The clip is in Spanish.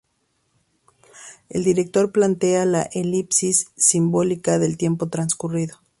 El director plantea la elipsis simbólica del tiempo transcurrido.